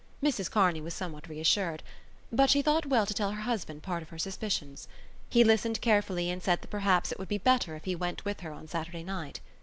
Mrs Kearney was somewhat reassured, but she thought well to tell her husband part of her suspicions. He listened carefully and said that perhaps it would be better if he went with her on Saturday night.